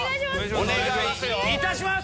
お願いいたします！